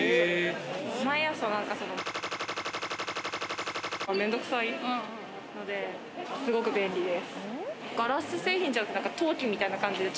毎朝するのが面倒くさいので、すごく便利です。